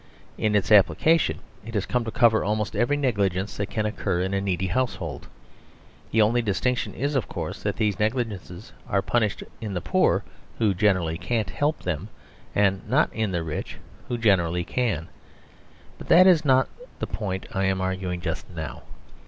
In its application it has come to cover almost every negligence that can occur in a needy household. The only distinction is, of course, that these negligences are punished in the poor, who generally can't help them, and not in the rich, who generally can. But that is not the point I am arguing just now.